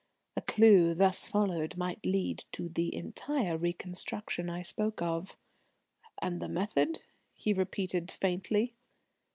"A clue, thus followed, might lead to the entire reconstruction I spoke of." "And the method?" he repeated faintly.